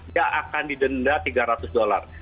dia akan didenda tiga ratus dolar